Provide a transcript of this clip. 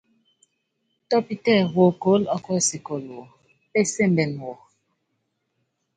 Tɔ́pítɛ wokóólo ɔ́kuɔsikɔ́lu wɔ, pɛ́sɛmbɛ wɔ.